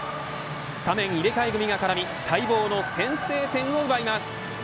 スタメン入れ替え組みが絡み待望の先制点を奪います。